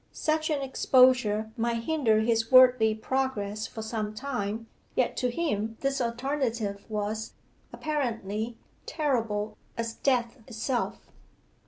Such an exposure might hinder his worldly progress for some time. Yet to him this alternative was, apparently, terrible as death itself.